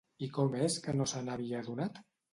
I com és que no se n'havia adonat?